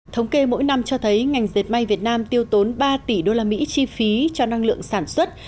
thống kê mỗi năm cho thấy ngành dệt may việt nam tiêu tốn ba tỷ usd chi phí cho năng lượng sản xuất